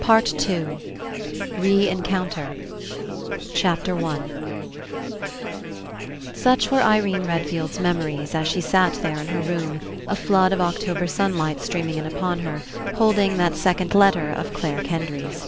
PART TWO RE EN CO UNTER ONE StJCH WERE Irene Redfield's memories as she sat there in her room, a flood of October sun light streaming in upon her, holding that sec ond letter of Clare Kendry's.